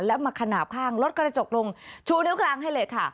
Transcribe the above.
แล้วมาขนาดข้างรถกระจกลงชูนิ้วกลางให้เลยค่ะ